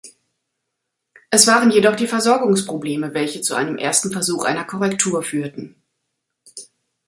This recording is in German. Es waren jedoch die Versorgungsprobleme, welche zu einem ersten Versuch einer Korrektur führten.